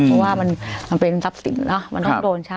เพราะว่ามันเป็นทรัพย์ศิลธ์มันต้องโดน